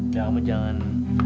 ya kamu jangan